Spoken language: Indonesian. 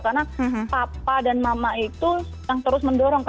karena papa dan mama itu yang terus mendorong